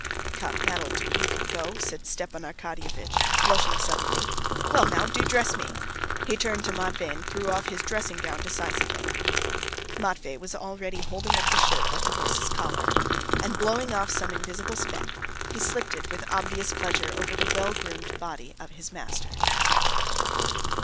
"Come, that'll do, you can go," said Stepan Arkadyevitch, blushing suddenly. "Well now, do dress me." He turned to Matvey and threw off his dressing gown decisively. Matvey was already holding up the shirt like a horse's collar, and, blowing off some invisible speck, he slipped it with obvious pleasure over the well groomed body of his master.